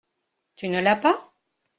Tu ne l’as pas ?